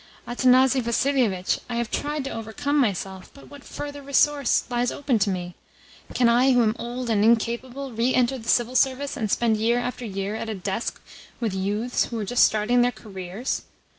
"Athanasi Vassilievitch, I have tried to overcome myself, but what further resource lies open to me? Can I who am old and incapable re enter the Civil Service and spend year after year at a desk with youths who are just starting their careers?